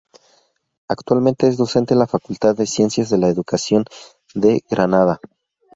Actualmente es docente en la Facultad e Ciencias de la Educación de Granada.